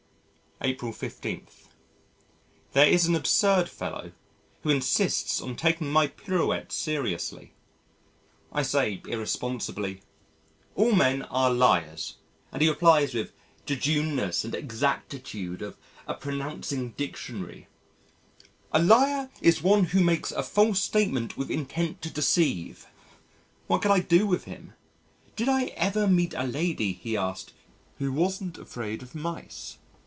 April 15. There is an absurd fellow ... who insists on taking my pirouettes seriously. I say irresponsibly, "All men are liars," and he replies with jejuneness and exactitude of a pronouncing dictionary, "A liar is one who makes a false statement with intent to deceive." What can I do with him? "Did I ever meet a lady," he asked, "who wasn't afraid of mice?"